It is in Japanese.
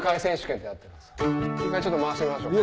一回ちょっと回してみましょうか。